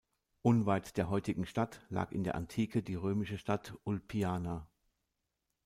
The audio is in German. Unweit der heutigen Stadt lag in der Antike die römische Stadt Ulpiana.